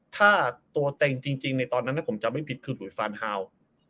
ถ้าตัวเต็งจริงในตอนนั้นถ้าผมจำไม่ผิดคือหลุยฟานฮาว